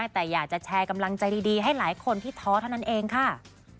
แต่อยากจะแชร์กำลังใจดีให้หลายคนที่ท้อเท่านั้นเองค่ะ